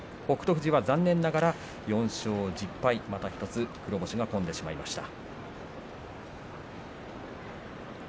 富士は残念ながら４勝１０敗また１つ黒星が込んでしまいました。